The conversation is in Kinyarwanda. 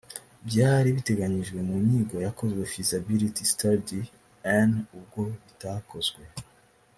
byari biteganyijwe mu nyigo yakozwe feasibility study n ubwo bitakozwe